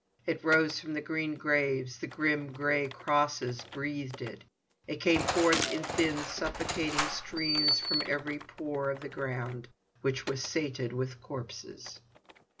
It rose from the green graves; the grim grey crosses breathed it; it came forth in thin suffocating streams from every pore of the ground, which was sated with corpses.